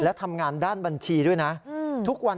และทำงานด้านบัญชีด้วยนะ